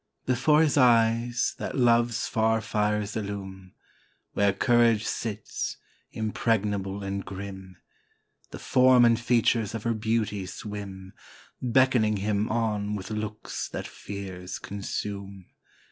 Before his eyes that love's far fires illume Where courage sits, impregnable and grim The form and features of her beauty swim, Beckoning him on with looks that fears consume.